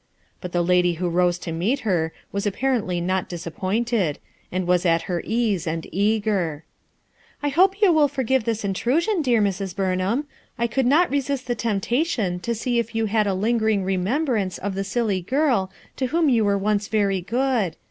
But the lady who arose to meet her was apparently not dis appointed, and was at her case and eager, "I hope you will forgive this intrusion, dear Mrs. Burnham. I could not resist the tempta tion to see if you had a lingering remembrance 18D 190 RUTH ERSKINE'S SON of the silly girl to whom you were once very good.